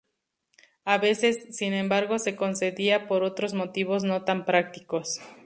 A veces, sin embargo, se concedía por otros motivos no tan prácticos.